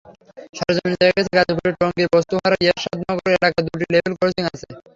সরেজমিনে দেখা গেছে, গাজীপুরের টঙ্গীর বাস্তুহারা এরশাদনগর এলাকায় দুটি লেভেল ক্রসিং আছে।